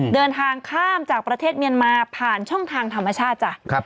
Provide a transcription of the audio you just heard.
เดินทางข้ามจากประเทศเมียนมาผ่านช่องทางธรรมชาติจ้ะ